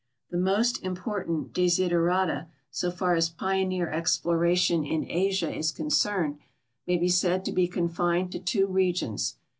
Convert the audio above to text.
The most important desiderata, so far as i)ioneer exploration in Asia is concerned, may l>e said to be contined to two regions.